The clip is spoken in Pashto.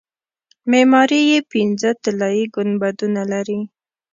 معماري یې پنځه طلایي ګنبدونه لري.